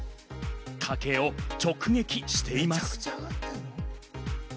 家計を直撃しています。